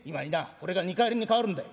これが２荷入りに変わるんだい」。